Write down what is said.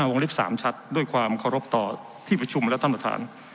วงเล็บ๓ชัดด้วยความเคารพต่อที่ประชุมและท่านประธาน